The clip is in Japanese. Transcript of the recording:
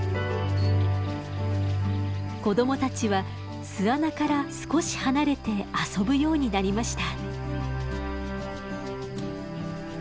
子供たちは巣穴から少し離れて遊ぶようになりました。